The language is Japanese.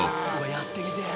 やってみてえ。